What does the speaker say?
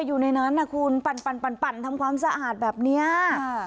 อยู่ในนั้นนะคุณปั่นทำความสะอาดแบบเนี้ย